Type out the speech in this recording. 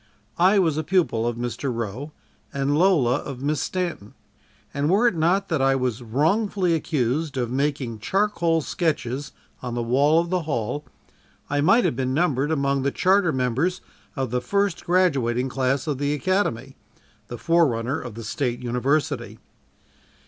I was a pupil of Mr. Roe and Lola of Miss Stanton and were it not that I was wrongfully accused of making charcoal sketches on the wall of the hall, I might have been numbered among the charter members of the first graduating class of the Academy the forerunner of the State University.